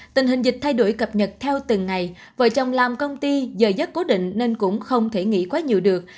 tình hình dịch thay đổi cập nhật theo từng ngày vợ chồng làm công ty giờ dất cố định nên cũng không thể nghĩ quá nhiều được